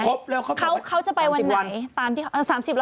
อ๋อตอนนี้แล้ววันอีก๒๘ตอนนะ